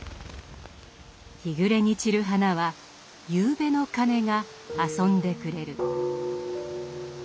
日暮れに散る花は夕べの鐘が遊んでくれる。